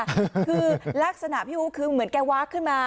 คือลักษณะพี่อู๋คือเหมือนแกว้าคขึ้นมา